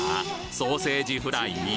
ソーセージフライ？